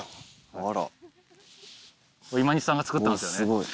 これ今西さんが作ったんですよね。